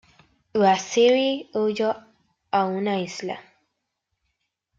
Uhha-Ziti huyó a una isla.